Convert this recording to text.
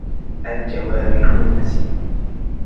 الجَوارِ الكُنَّسِ